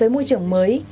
với môi trường mới